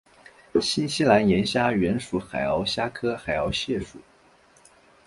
新西兰岩虾原属海螯虾科海螯虾属。